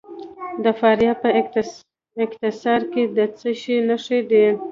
د فاریاب په قیصار کې د څه شي نښې دي؟